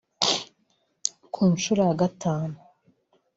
Ku nshuro ya gatanu